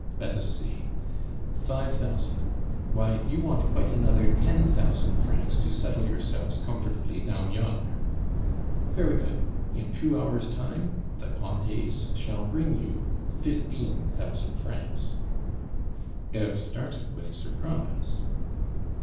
"Let us see: five thousand why, you want quite another ten thousand francs to settle yourselves comfortably down yonder. Very good, in two hours' time the Cointets shall bring you fifteen thousand francs " Eve started with surprise.